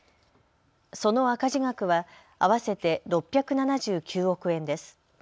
その赤字額は合わせて６７９億円です。